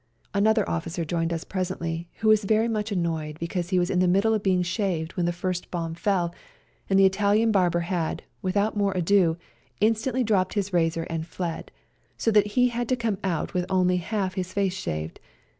Another officer joined us presently who was very much annoyed because he was in the SERBIAN CHRISTMAS DAY 189 middle of being shaved when the first bomb fell, and the Italian barber had, without more ado, instantly dropped his razor and fled, so that he had to come out with only half his face shaved.